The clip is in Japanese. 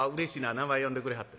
名前呼んでくれはった。